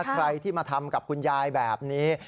ใครที่มาทำกับคุณยายแบบนี้